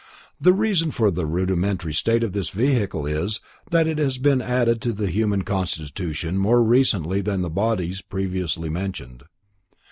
The reason for the rudimentary state of this vehicle is, that it has been added to the human constitution more recently than the bodies previously mentioned.